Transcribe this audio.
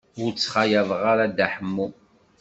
Ur ttxalaḍeɣ ara Dda Ḥemmu.